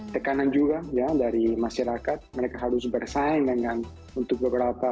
tekanan juga ya dari masyarakat mereka harus bersaing dengan untuk beberapa